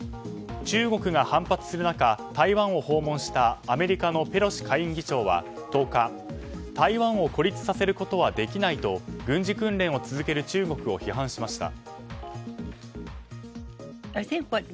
中国が反発する中台湾を訪問したアメリカのペロシ下院議長は１０日、台湾を孤立させることはできないと軍事訓練を続ける中国を批判しました。